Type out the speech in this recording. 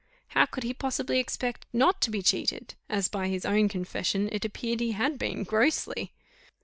How could he possibly expect not to be cheated, as, by his own confession, it appeared he had been, grossly?